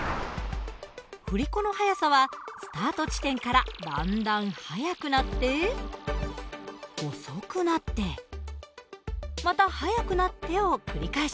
振り子の速さはスタート地点からだんだん速くなって遅くなってまた速くなってを繰り返します。